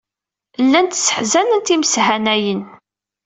Llant sseḥzanent imeshanayen.